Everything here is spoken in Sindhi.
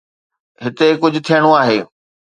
هتي ڪجهه ٿيڻو آهي.